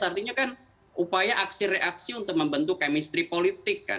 artinya kan upaya aksi reaksi untuk membentuk chemistry politik kan